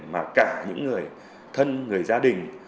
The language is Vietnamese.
mà cả những người thân người gia đình